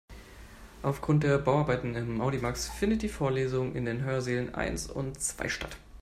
Aufgrund der Bauarbeiten im Audimax findet die Vorlesung in den Hörsälen eins und zwei statt.